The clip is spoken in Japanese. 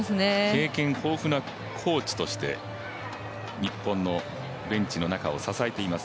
経験豊富なコーチとして日本のベンチの中を支えています。